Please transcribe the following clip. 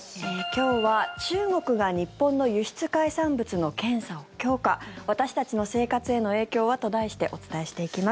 今日は、中国が日本の輸出海産物の検査を強化私たちの生活への影響は？と題してお伝えしていきます。